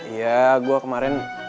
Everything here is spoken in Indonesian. iya gue kemarin